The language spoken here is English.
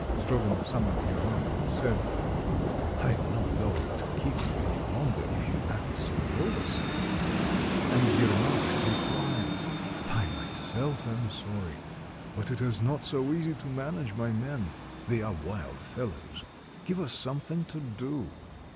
Strogonoff summoned Yermak, and said: — "I am not going to keep you any longer, if you act so lawlessly." And Yermak replied :— "I myself am sorry. But it is not so easy to manage my men ; they are wild fellows. Give us something to do."